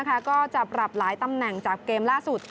ก็จะปรับหลายตำแหน่งจากเกมล่าสุด